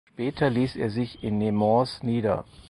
Später ließ er sich in Nemours nieder.